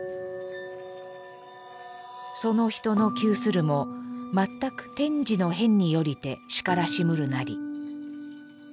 「其人の窮するも全く天時の変によりて然らしむるなり」。